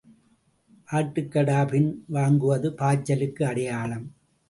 ஆட்டுக்கடா பின் வாங்குவது பாய்ச்சலுக்கு அடையாளம்.